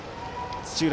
土浦